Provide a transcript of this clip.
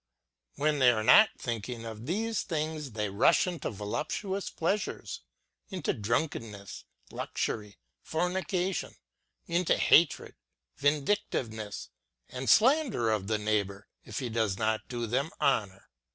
When they are not think ing of these things they rush into voluptuous pleasures, ŌĆö into drunkenness, luxury, fornication, ŌĆö into hatred, vindictiveness, and slander of the neiglibor, if he does not do them honor.